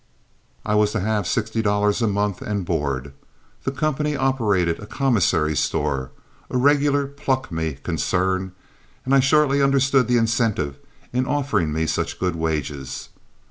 I was to have sixty dollars a month and board. The company operated a commissary store, a regular "pluck me" concern, and I shortly understood the incentive in offering me such good wages.